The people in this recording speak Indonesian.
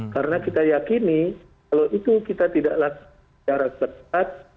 karena kita yakini kalau itu kita tidak jarak cepat